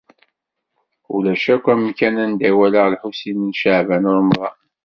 Ulac akk amkan anda i walaɣ Lḥusin n Caɛban u Ṛemḍan.